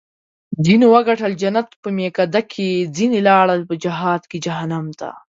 ځینو وګټل جنت په میکده کې ځیني لاړل په جهاد کې جهنم ته